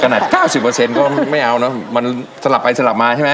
ขนาดเก้าสิบเปอร์เซ็นต์ก็ไม่เอาเนอะมันสลับไปสลับมาใช่ไหม